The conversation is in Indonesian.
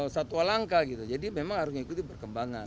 satwa langka gitu jadi memang harus ngikutin perkembangan